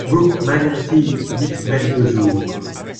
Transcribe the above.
Brooke Magnanti, dite Belle de Jour.